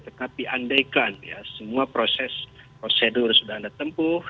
tetapi andaikan ya semua proses prosedur sudah anda tempuh